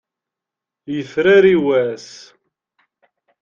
Yefrari wass.